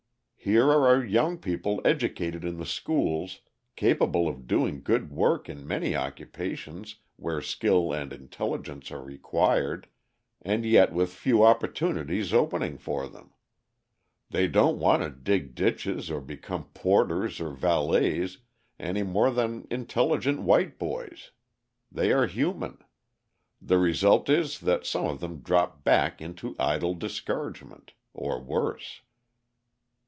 Here are our young people educated in the schools, capable of doing good work in many occupations where skill and intelligence are required and yet with few opportunities opening for them. They don't want to dig ditches or become porters or valets any more than intelligent white boys: they are human. The result is that some of them drop back into idle discouragement or worse."